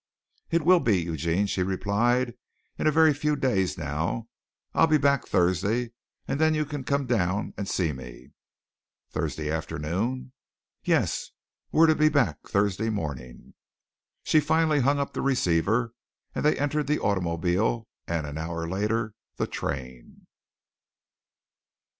"It will be, Eugene," she replied, "in a very few days now. I'll be back Thursday, and then you can come down and see me." "Thursday afternoon?" "Yes. We're to be back Thursday morning." She finally hung up the receiver and they entered the automobile and an hour later the train.